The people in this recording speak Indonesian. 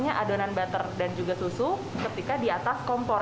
sebenarnya adonan butter dan juga susu ketika di atas kompor